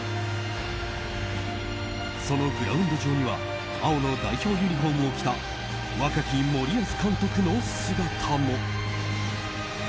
そのグラウンド上には青の代表ユニホームを着た若き森保監督の姿も。